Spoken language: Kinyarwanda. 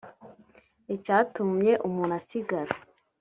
Icyatumye umuntu asigara